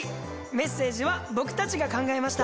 メッセージは僕たちが考えました。